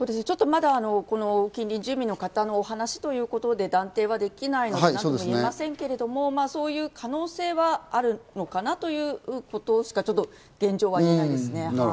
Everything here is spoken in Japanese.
ちょっとまだ近隣住民の方のお話ということで、断定はできないので何とも言えませんけど、そういう可能性はあるのかな？ということしかちょっと現状は言えないですね。